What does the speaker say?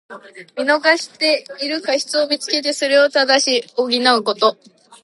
見逃している過失をみつけて、それを正し補うこと。